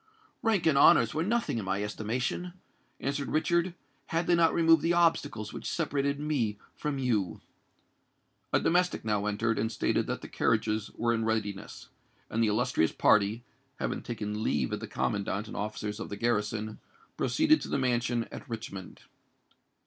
"Rank and honours were nothing in my estimation," answered Richard, "had they not removed the obstacles which separated me from you!" A domestic now entered and stated that the carriages were in readiness; and the illustrious party, having taken leave of the commandant and officers of the garrison, proceeded to the mansion at Richmond.